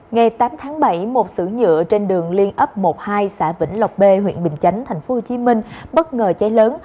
ngày tám tháng bảy một sưởng nhựa trên đường liên ấp một hai xã vĩnh lộc b huyện bình chánh tp hcm bất ngờ cháy lớn